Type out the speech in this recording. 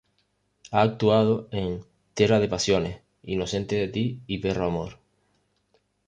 Ha actuado en "Tierra de pasiones", "Inocente de ti" y "Perro amor".